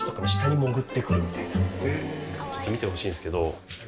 ちょっと見てほしいんですけど。